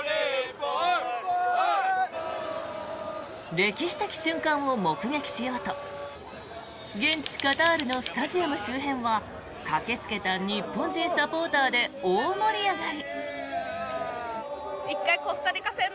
歴史的瞬間を目撃しようと現地カタールのスタジアム周辺は駆けつけた日本人サポーターで大盛り上がり。